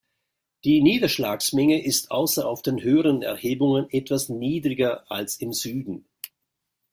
Die Niederschlagsmenge ist außer auf den höheren Erhebungen etwas niedriger als im Süden.